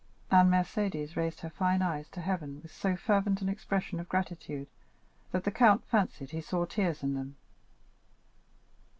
And Mercédès raised her fine eyes to heaven with so fervent an expression of gratitude, that the count fancied he saw tears in them.